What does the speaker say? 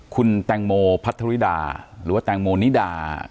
คุณแตงโมพัทธริดาหรือว่าแตงโมนิดา